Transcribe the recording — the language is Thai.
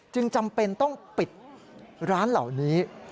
จำเป็นต้องปิดร้านเหล่านี้